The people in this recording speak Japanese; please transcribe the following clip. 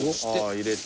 入れて。